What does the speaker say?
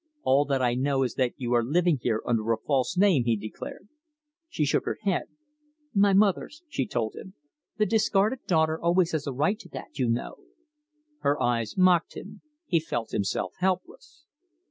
"All that I know is that you are living here under a false name," he declared. She shook her head. "My mother's," she told him. "The discarded daughter always has a right to that, you know." Her eyes mocked him. He felt himself helpless.